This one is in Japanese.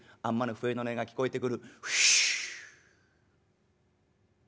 あんまの笛の音が聞こえてくる。